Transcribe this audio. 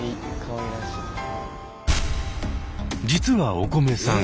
実はおこめさん